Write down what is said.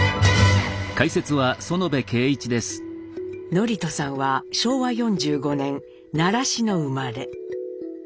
智人さんは昭和４５年奈良市の生まれ。